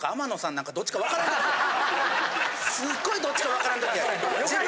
すっごいどっちかわからん時ある。